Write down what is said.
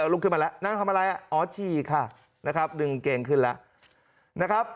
ลุกขึ้นมาแล้วนางทำอะไรอ๋อฉี่ค่ะนะครับดึงเกงขึ้นแล้วนะครับ